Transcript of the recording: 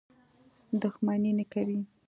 دښمني نه کوي.